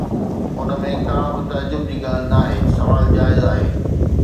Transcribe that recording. ان ۾ ڪا به تعجب جي ڳالهه ناهي، سوال جائز آهي.